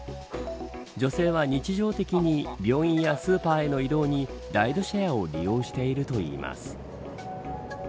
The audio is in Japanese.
女性は日常的に病院やスーパーへの移動にライドシェアを利用しているといいます。